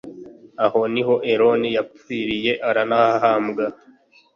aho ni ho aroni yapfiriye, aranahahambwa;